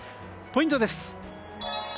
ポイントです。